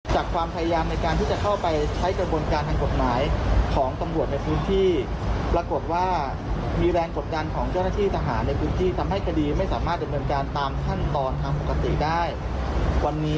สวนสอบสวนเข้าที่ภายคดีนี้และโอนคดีนี้มาที่ฟองกราบกลาง